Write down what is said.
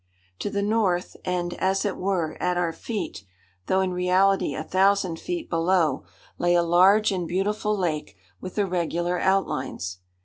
] To the north and, as it were, at our feet, though in reality a thousand feet below, lay a large and beautiful lake with irregular outlines.